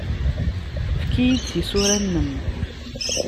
Efk-iyi-d tisura-nnem.